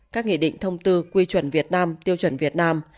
các nghị định thông tư quy chuẩn việt nam tiêu chuẩn việt nam